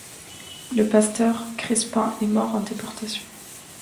Le pasteur Crespin est mort en déportation.